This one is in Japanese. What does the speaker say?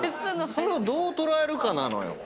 それをどう捉えるかなのよ。